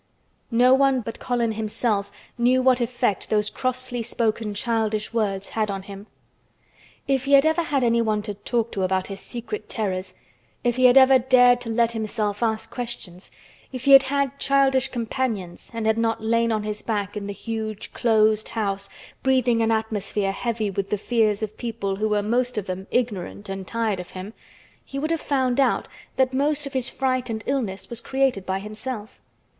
No one but Colin himself knew what effect those crossly spoken childish words had on him. If he had ever had anyone to talk to about his secret terrors—if he had ever dared to let himself ask questions—if he had had childish companions and had not lain on his back in the huge closed house, breathing an atmosphere heavy with the fears of people who were most of them ignorant and tired of him, he would have found out that most of his fright and illness was created by himself.